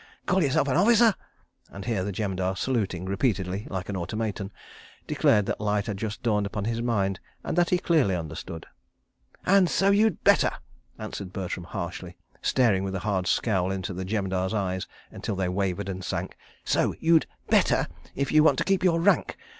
Call yourself an officer! ..." and here the Jemadar, saluting repeatedly, like an automaton, declared that light had just dawned upon his mind and that he clearly understood. "And so you'd better," answered Bertram harshly, staring with a hard scowl into the Jemadar's eyes until they wavered and sank. "So you'd better, if you want to keep your rank.